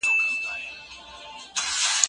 سم نیت کار نه زیانمنوي.